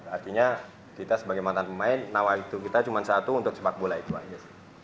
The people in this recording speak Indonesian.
artinya kita sebagai mantan pemain nawai itu kita cuma satu untuk sepak bola itu aja sih